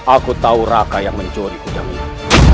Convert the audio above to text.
aku tahu raka yang mencuri kujang ini